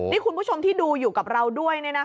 นี่คุณผู้ชมที่ดูอยู่กับเราด้วย